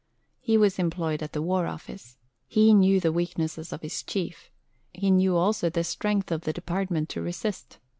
He was employed at the War Office. He knew the weaknesses of his Chief. He knew also the strength of the Department to resist.